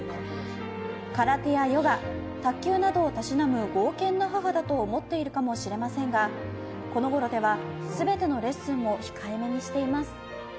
空手やヨガ、卓球などをたしなむ剛健な母だと思っているかもしれませんがこのごろでは全てのレッスンを控えめにしています。